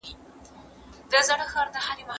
د ژوند په هر ډګر کي عدالت پلي کړئ.